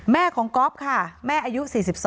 แม่ของก๊อฟค่ะแม่อายุ๔๒